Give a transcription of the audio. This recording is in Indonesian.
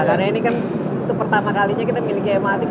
karena ini kan pertama kalinya kita miliki mrt